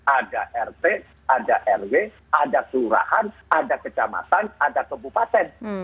ada rt ada rw ada kelurahan ada kecamatan ada kebupaten